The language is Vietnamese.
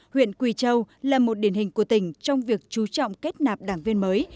huyện quỳ châu là một điển hình của tỉnh trong việc chú trọng kết nạp đảng viên mới